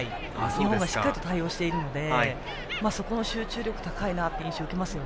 日本がしっかりと対応しているのでそこの集中力は高いなという印象を受けます。